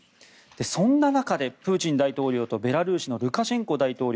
そんな中でプーチン大統領とベラルーシのルカシェンコ大統領